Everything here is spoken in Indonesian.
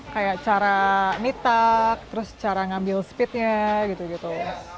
kayak cara nitak terus cara ngambil speednya gitu gitu